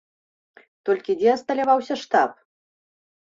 Толькі дзе асталяваўся штаб?